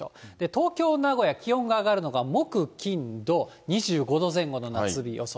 東京、名古屋、気温が上がるのが木、金、土、２５度前後の夏日予想。